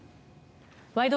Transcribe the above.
「ワイド！